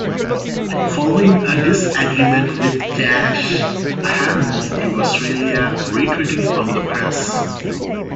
Following a disagreement with Cash, Aherne moved to Australia, retreating from the press.